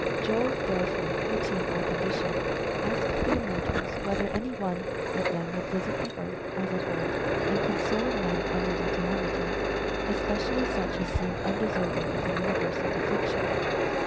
Jove therefore, pitying our condition, asked the immortals whether any one of them would visit the earth as of old, and console men under their calamities, especially such as seemed undeserving of the universal affliction.